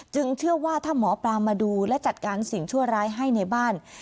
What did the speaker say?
เชื่อว่าถ้าหมอปลามาดูและจัดการสิ่งชั่วร้ายให้ในบ้าน